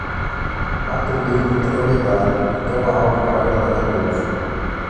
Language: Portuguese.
Há também muita variedade, então há algo para agradar a todos.